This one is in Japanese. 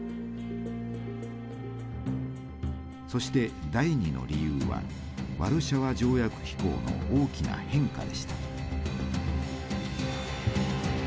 そして第２の理由はワルシャワ条約機構の大きな変化でした。